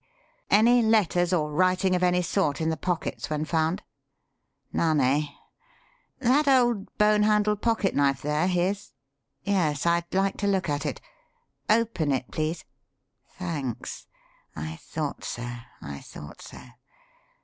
Any letters or writing of any sort in the pockets when found? None, eh? That old bone handled pocket knife there his? Yes, I'd like to look at it. Open it, please. Thanks. I thought so, I thought so.